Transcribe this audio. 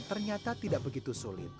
ternyata tidak begitu sulit